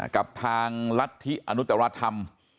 กับทางรัฐธิอนุจรธรรม